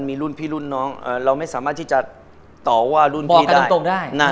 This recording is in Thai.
มีรุ่นพี่รุ่นน้องเราไม่สามารถที่จะต่อว่ารุ่นพี่ได้ตรงได้